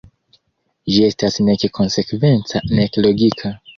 Ĝi estas nek konsekvenca nek logika.